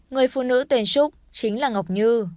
người phụ nữ tên trúc chính là ngọc như